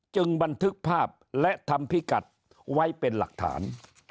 บันทึกภาพและทำพิกัดไว้เป็นหลักฐาน